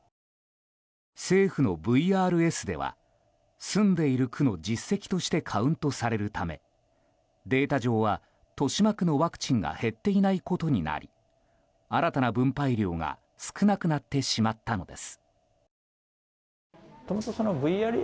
政府のＶＲＳでは住んでいる区の実績としてカウントされるためデータ上は豊島区のワクチンが減っていないことになり新たな分配量が少なくなってしまったのです。